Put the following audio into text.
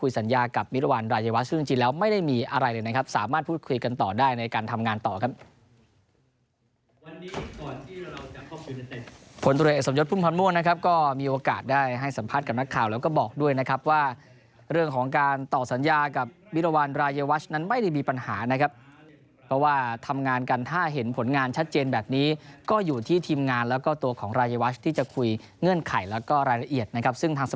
สามารถพูดคุยกันต่อได้ในการทำงานต่อครับผลตัวเอกสำยศพุ่มพันธ์ม่วงนะครับก็มีโอกาสได้ให้สัมภาษณ์กับนักข่าวแล้วก็บอกด้วยนะครับว่าเรื่องของการต่อสัญญากับวิราวรรณรายวัชน์นั้นไม่ได้มีปัญหานะครับเพราะว่าทำงานกันถ้าเห็นผลงานชัดเจนแบบนี้ก็อยู่ที่ทีมงานแล้วก็ตัวของรายวัชน์